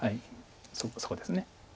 そこです。